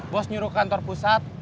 bos nyuruh kantor pusat